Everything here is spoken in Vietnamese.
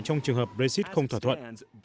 trong trường hợp brexit không thỏa thuận